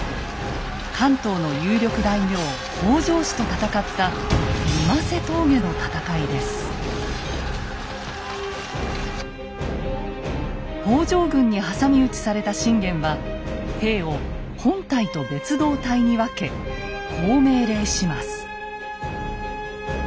関東の有力大名北条氏と戦った北条軍に挟み撃ちされた信玄は兵を本隊と別動隊に分けこう命令します。